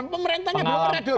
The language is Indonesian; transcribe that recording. pemerintahnya belum ada